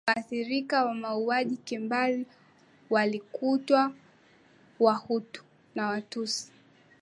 waathirika wa mauaji ya kimbari walikuwa wahutu na watsi